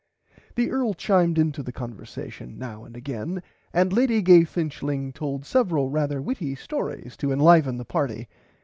The Earl chimed into the conversation now and again and Lady Gay Finchling told several rarther witty stories to enliven the party.